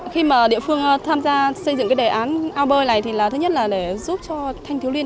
khi mà địa phương tham gia xây dựng cái đề án ao bơi này thì là thứ nhất là để giúp cho thanh thiếu liên